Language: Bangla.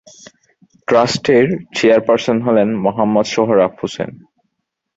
ট্রাস্টের চেয়ারপার্সন হলেন মোহাম্মদ সোহরাব হোসেন।